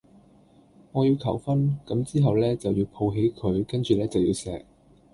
我要求婚，咁之後呢就要抱起佢跟住呢就要錫